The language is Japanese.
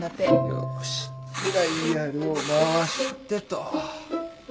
よーしダイヤルを回してと。